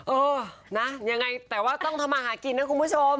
เออนะยังไงแต่ว่าต้องทำมาหากินนะคุณผู้ชม